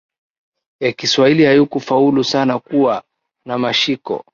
ya Kiswahili haikufaulu sana kuwa na mashiko